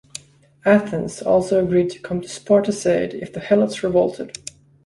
Athens also agreed to come to Sparta's aid if the Helots revolted.